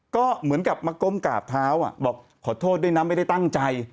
ก็เหมือนกับมาก้มกราบเท้าบอกขอโทษด้วยนะไม่ได้ตั้งใจ